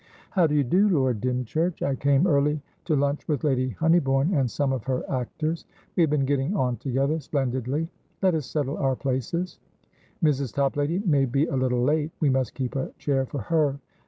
"How do you do, Lord Dymchurch! I came early, to lunch with Lady Honeybourne and some of her actors. We have been getting on together splendidly. Let us settle our places. Mrs. Toplady may be a little late; we must keep a chair for her.